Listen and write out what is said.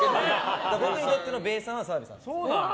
僕にとってのべーさんは澤部さんです。